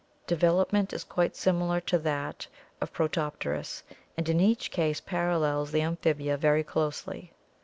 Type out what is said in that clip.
Development is quite similar to that of Protopterus and in each case parallels the amphibia very closely.